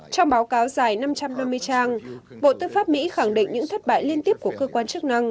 trong báo cáo dài năm trăm năm mươi trang bộ tư pháp mỹ khẳng định những thất bại liên tiếp của cơ quan chức năng